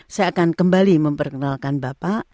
saya akan kembali memperkenalkan bapak